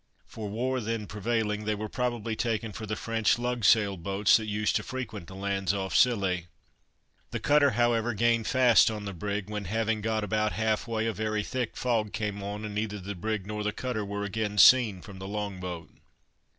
For war then prevailing, they were probably taken for the French lugsail boats, that used to frequent the lands off Scilly. The cutter, however, gained fast on the brig, when, having got about half way, a very thick fog came on, and neither the brig nor the cutter were again seen from the long boat.